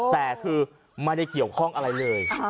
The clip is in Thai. แต่คือไม่ได้เกี่ยวข้องอะไรเลย